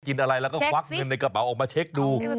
กินอะไรแล้วก็ควักเงินในกระเป๋าออกมาเช็คดู